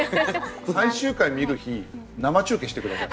最終回見る日生中継してください。